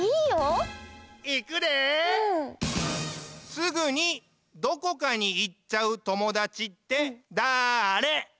すぐにどこかにいっちゃうともだちってだあれ？